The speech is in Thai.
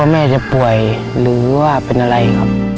แม่จะป่วยหรือว่าเป็นอะไรครับ